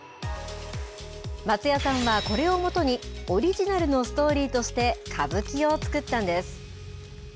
松也さんはこれをもとにオリジナルのストーリーとして歌舞伎を作ったんです。